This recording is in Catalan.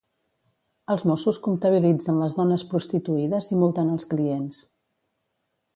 Els Mossos comptabilitzen les dones prostituïdes i multen els clients.